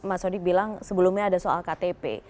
tadi pak sodik bilang sebelumnya ada soal ktp